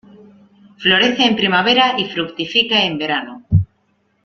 Florece en primavera y fructifica en verano.